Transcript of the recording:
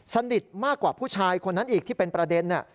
สนิทมากกว่าผู้ชายคนนั้นอีกที่เป็นประเด็น